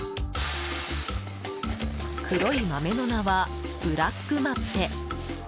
黒い豆の名は、ブラックマッペ。